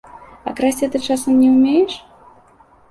А красці ты, часам, не ўмееш?